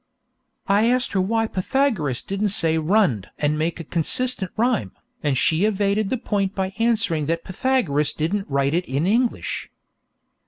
I asked her why Pythagoras didn't say 'runned' and make a consistent rhyme, and she evaded the point by answering that Pythagoras didn't write it in English.